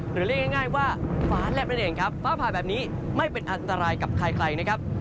หรือเรียกง่ายว่าฟ้าลับนั่นเองฟ้าผ่าแบบนี้ไม่เป็นอันตรายกับใคร